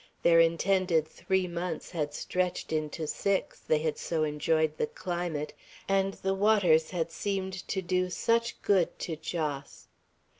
Their intended three months had stretched into six, they had so enjoyed the climate, and the waters had seemed to do such good to Jos.